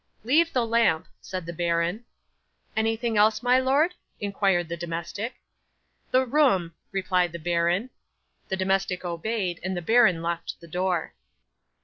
'"Leave the lamp," said the baron. '"Anything else, my lord?" inquired the domestic. '"The room," replied the baron. The domestic obeyed, and the baron locked the door.